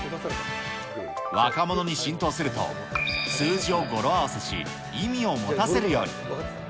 若者に浸透すると、数字を語呂合わせし、意味を持たせるように。